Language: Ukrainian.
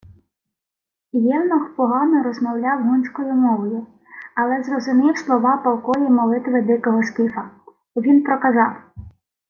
Євнух погано розмовляв гунською мовою, але зрозумів слова палкої молитви дикого скіфа. Він проказав: